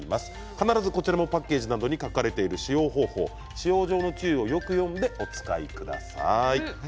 必ずパッケージなどに書かれている使用方法使用上の注意をよく読んでお使いください。